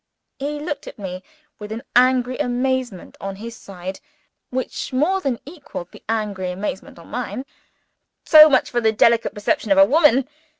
He looked at me with an angry amazement on his side which more than equaled the angry amazement on mine. "So much for the delicate perception of a woman!"